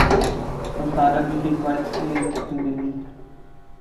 افسانہ کسی فرد کے زندگی